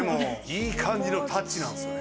いい感じのタッチなんですよね。